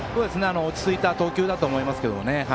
落ち着いた投球だと思います。